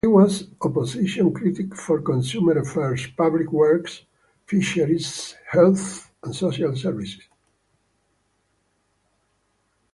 He was Opposition critic for consumer affairs, public works, fisheries, health and social services.